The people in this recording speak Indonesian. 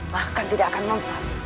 bahkan tidak akan mempatuhi